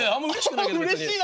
うれしいな。